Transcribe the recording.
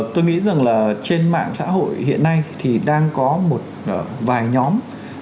tôi nghĩ rằng là trên mạng xã hội hiện nay thì đang có một vài nhóm